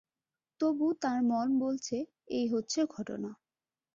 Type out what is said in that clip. তবু তাঁর মন বলছে, এই হচ্ছে ঘটনা।